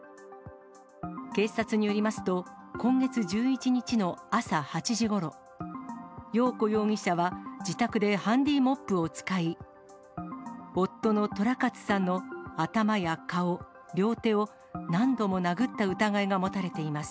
警察によりますと、今月１１日の朝８時ごろ、よう子容疑者は自宅でハンディモップを使い、夫の寅勝さんの頭や顔、両手を何度も殴った疑いが持たれています。